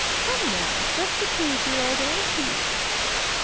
Come now, just to please your old auntie."